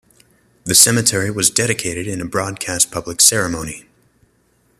The cemetery was dedicated in a broadcast public ceremony.